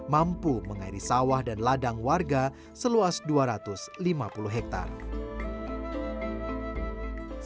mampu mengairi sawah dan ladang warga seluas dua ratus lima puluh hektare